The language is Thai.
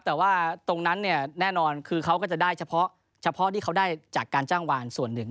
แต่ว่าตรงนั้นเนี่ยแน่นอนคือเขาก็จะได้เฉพาะที่เขาได้จากการจ้างวานส่วนหนึ่ง